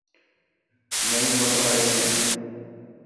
نئي موٽر آي هي.